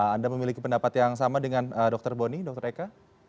anda memiliki pendapat yang sama dengan dr boni dr eka